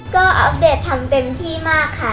ก็อัปเดตทำเต็มที่มากค่ะ